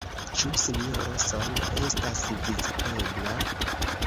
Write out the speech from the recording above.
Ĉu Sinjoro Song estas vizitebla?